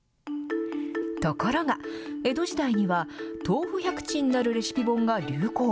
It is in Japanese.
ところが、江戸時代には豆腐百珍なるレシピ本が流行。